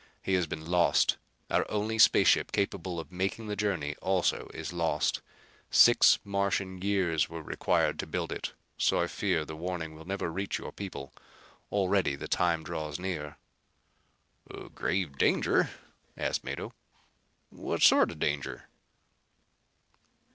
He has been lost. Our only space ship capable of making the journey also is lost. Six Martian years were required to build it, so I fear the warning will never reach your people. Already the time draws near." "A grave danger?" asked Mado. "What sort of a danger?"